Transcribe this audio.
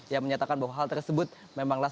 yang menyatakan bahwa hal tersebut memanglah